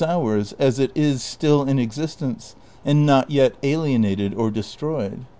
ours, as it is still in existence and not yet alienated or de stroyed.